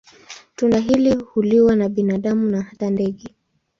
Tunda hili huliwa na binadamu na hata ndege.